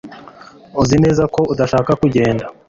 Uzi neza ko udashaka kugenda